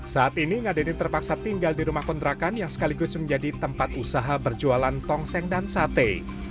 saat ini ngadeni terpaksa tinggal di rumah kontrakan yang sekaligus menjadi tempat usaha berjualan tongseng dan sate